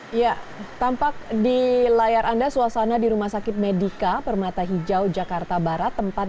hai ya tampak di layar anda suasana di rumah sakit medica permata hijau jakarta barat tempat